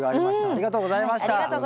ありがとうございます。